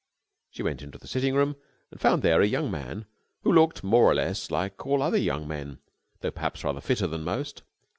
She went into the sitting room and found there a young man who looked more or less like all other young men, though perhaps rather fitter than most.